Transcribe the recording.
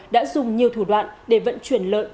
đã dùng nhiều thủ đoạn để vận chuyển lợn